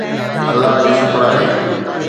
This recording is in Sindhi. الله جو شڪر آهي